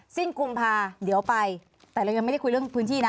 กุมภาเดี๋ยวไปแต่เรายังไม่ได้คุยเรื่องพื้นที่นะ